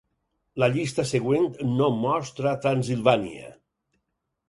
La llista següent no mostra Transilvània.